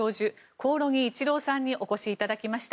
興梠一郎さんにお越しいただきました。